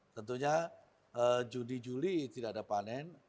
tentunya juni juli tidak ada panen